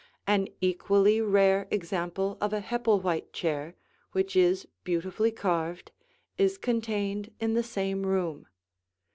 An equally rare example of a Hepplewhite chair, which is beautifully carved, is contained in the same room.